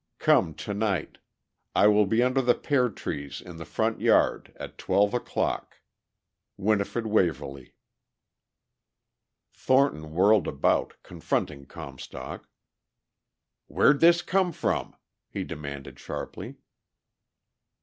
Come tonight. I will be under the pear trees in the front yard, at twelve o'clock. "WINIFRED WAVERLY." Thornton whirled about, confronting Comstock. "Where'd this come from?" he demanded sharply.